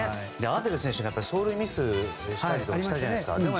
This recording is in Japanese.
アデル選手が走塁ミスをしたじゃないですか。